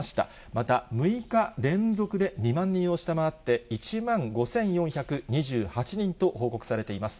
また、６日連続で２万人を下回って、１万５４２８人と報告されています。